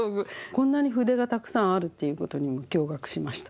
こんなに筆がたくさんあるという事にも驚がくしました。